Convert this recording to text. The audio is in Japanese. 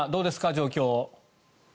状況。